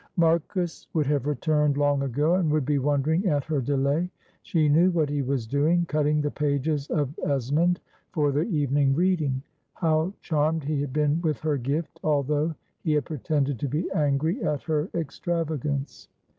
Marcus would have returned long ago and would be wondering at her delay. She knew what he was doing cutting the pages of Esmond for their evening reading. How charmed he had been with her gift, although he had pretended to be angry at her extravagance.